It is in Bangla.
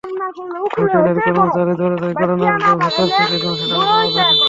হোটেলের কর্মচারী দরজায় কড়া নাড়লেও ভেতর থেকে কোনো সাড়া পাওয়া যায়নি।